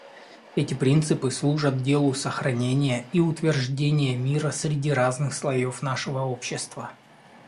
Эти принципы служат делу сохранения и утверждения мира среди разных слоев нашего общества.